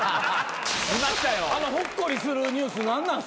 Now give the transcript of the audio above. あのほっこりするニュース何なんすか？